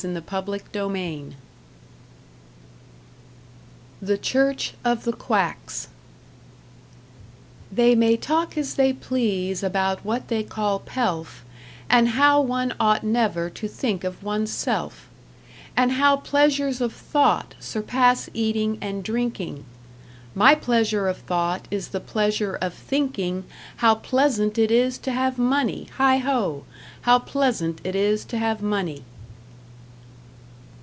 #BOOK SIX# #The Church of the Quacks# They may talk as they please about what they call pelf, And how one ought never to think of one's self, And how pleasures of thought surpass eating and drinking My pleasure of thought is the pleasure of thinking How pleasant it is to have money, heigh ho! How pleasant it is to have money.